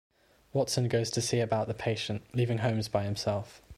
Watson goes to see about the patient, leaving Holmes by himself.